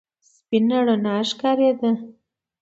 سپينه رڼا ښکارېده.